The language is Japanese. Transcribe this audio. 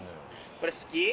これ、好き！